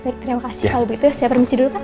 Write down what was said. baik terima kasih kalau begitu saya permisi dulu kan